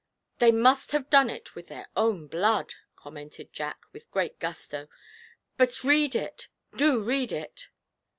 'They must have done it with their own blood,' commented Jack, with great gusto; 'but read it do read it.'